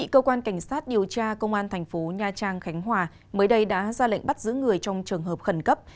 cơ quan cảnh sát điều tra công an thành phố nha trang khánh hòa mới đây đã ra lệnh bắt giữ người trong trường hợp khẩn cấp